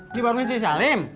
di warung istri salim